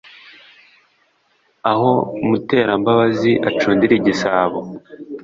aho muterambabazi acundira igisabo